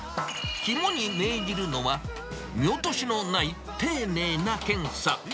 肝に銘じるのは、見落としのない丁寧な検査。